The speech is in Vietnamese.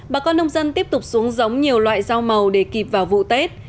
bà con nông dân tiếp tục xuống giống nhiều loại rau màu để kịp vào vụ tết